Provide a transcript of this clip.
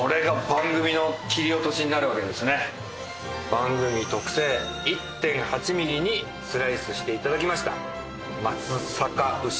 番組特製１．８ミリにスライスして頂きました。